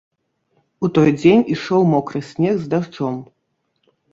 У той дзень ішоў мокры снег з дажджом.